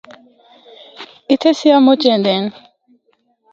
اِتھا سیاح مُچ ایندے ہن۔